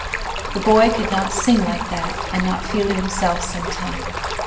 The boy could not sing like that and not feel it himself sometime.